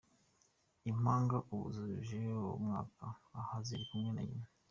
Impanga ubu zujuje umwaka, aha ziri kumwe na nyina.